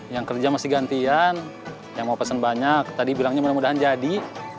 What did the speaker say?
yang kerja masih gantian yang mau pesan banyak tadi bilangnya mudah mudahan jadi